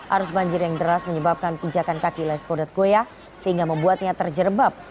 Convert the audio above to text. arus banjir yang deras menyebabkan pinjakan kaki leskodat goya sehingga membuatnya terjebab